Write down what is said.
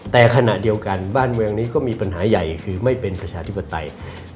แต่ขณะเดียวกันบ้านเมืองนี้ก็มีปัญหาใหญ่คือไม่เป็นประชาธิปไตย